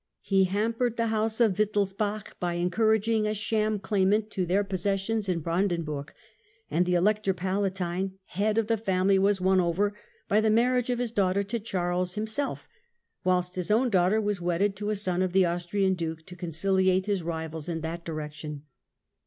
He hampered the House of Wittelsbach by encouraging a sham claimant to their possessions in Brandenburg, and the Elector Palatine, head of the family, was won over by the marriage of his daughter to Charles himself ; whilst his own daughter was wedded to a son of the Austrian Duke to conciliate his rivals in that direction.